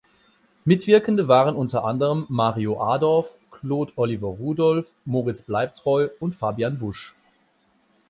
Mitwirkende waren unter anderem Mario Adorf, Claude-Oliver Rudolph, Moritz Bleibtreu und Fabian Busch.